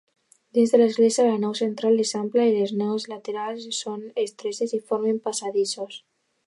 Dins de l'església, la nau central és ampla i les naus laterals són estretes i formen passadissos.